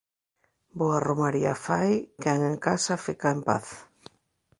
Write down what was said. Boa romaría fai, quen en casa fica en paz